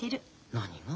何が？